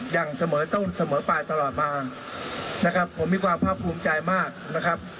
อย่างเสมอต้นเสมอปลายตลอดมานะครับผมมีความภาคภูมิใจมากนะครับ